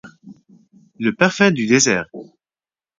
Le parfum du désert.